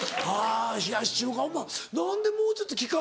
冷やし中華何でもうちょっと期間